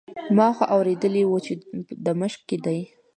ما خو اورېدلي وو چې د مشق کې دی.